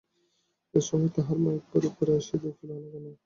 এই সময় তাহার মা একবার উপরে আসিয়া দেখিল না কেন?